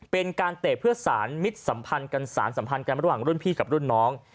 เป็นการเตะเพื่อสารมิตรสัมพันธ์กันสารสัมพันธ์กันระหว่างรุ่นพี่กับรุ่นน้อง